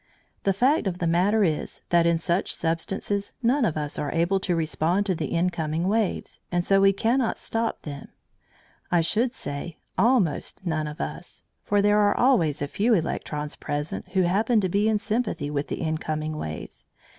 The fact of the matter is that in such substances none of us are able to respond to the incoming waves, and so we cannot stop them. I should say almost none of us, for there are always a few electrons present who happen to be in sympathy with the incoming waves.